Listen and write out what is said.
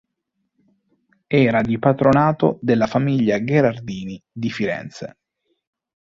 Era di patronato della famiglia Gherardini di Firenze.